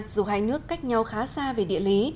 dù hai nước cách nhau khá xa về địa lý